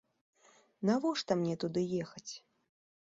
Навошта мне туды ехаць?